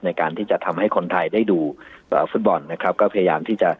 ในการที่จะทำให้คนไทยได้ดูฟุตบอลนะครับก็พยายามที่จะ